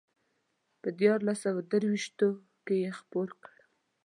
په دیارلس سوه درویشتو کې یې خپور کړ.